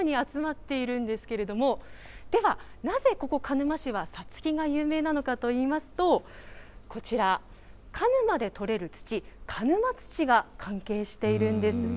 このように見事なさつきが一堂に集まっているんですけれども、では、なぜここ、鹿沼市はさつきが有名なのかといいますと、こちら、鹿沼で取れる土、鹿沼土が関係しているんです。